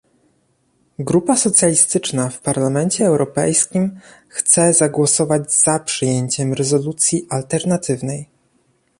Grupa Socjalistyczna w Parlamencie Europejskim chce zagłosować za przyjęciem rezolucji alternatywnej